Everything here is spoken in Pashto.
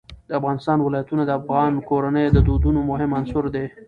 د افغانستان ولايتونه د افغان کورنیو د دودونو مهم عنصر دی.